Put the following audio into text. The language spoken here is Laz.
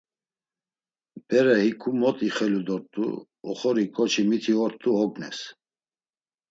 Bere hiǩu mot ixelu dort̆u, oxori ǩoçi miti ort̆u ognes.